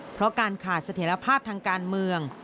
เพราะการขาดเสถียรภาพทางการเมือง